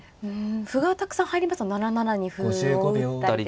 歩がたくさん入りますと７七に歩を打ったりですとか。